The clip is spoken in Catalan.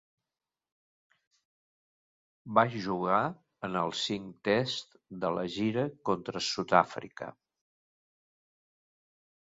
Va jugar en els cinc tests de la gira contra Sud-àfrica.